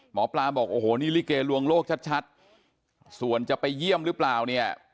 หมอปลาบอกโอ้โหนี่ลิเกลวงโลกชัดส่วนจะไปเยี่ยมหรือเปล่าเนี่ย